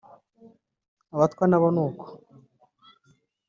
abatwa nabo ni uko